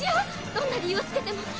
どんな理由をつけても。